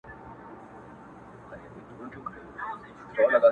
ټولي دنـيـا سره خــبري كـــوم.